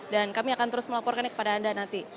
dan kami akan terus melaporkannya kepada anda nanti